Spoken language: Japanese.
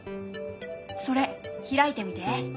それ開いてみて。